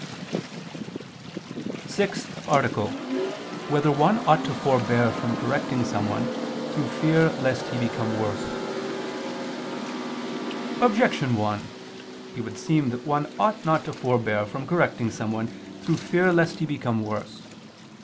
_______________________ SIXTH ARTICLE [II II, Q. 33, Art. 6] Whether One Ought to Forbear from Correcting Someone, Through Fear Lest He Become Worse? Objection 1: It would seem that one ought not to forbear from correcting someone through fear lest he become worse.